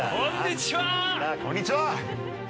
来たこんにちは！